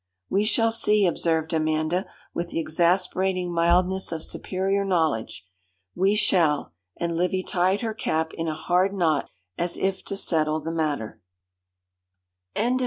'We shall see,' observed Amanda, with the exasperating mildness of superior knowledge. 'We shall!' and Livy tied her cap in a hard knot as if to settle the matter. V. _ITALY.